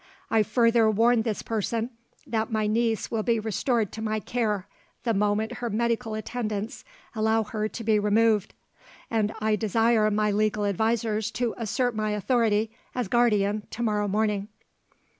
I further warn this person, that my niece will be restored to my care, the moment her medical attendants allow her to be removed. And I desire my legal advisers to assert my authority, as guardian, to morrow morning."